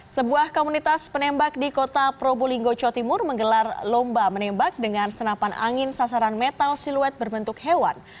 sebuah komunitas penembak di kota probolinggo jawa timur menggelar lomba menembak dengan senapan angin sasaran metal siluet berbentuk hewan